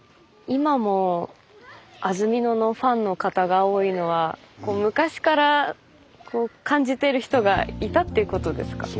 今も安曇野のファンの方が多いのは昔から感じてる人がいたっていうことですかね。